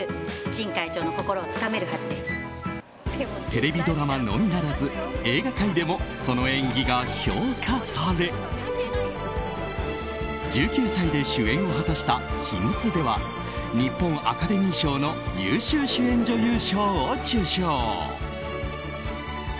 テレビドラマのみならず映画界でも、その演技が評価され１９歳で主演を果たした「秘密」では日本アカデミー賞の優秀主演女優賞を受賞。